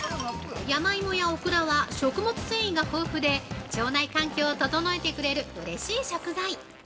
山芋やオクラは食物繊維が豊富で腸内環境を整えてくれる嬉しい食材。